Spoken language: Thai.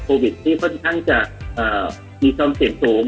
ที่ค่อนข้างจะมีความเสี่ยงสูง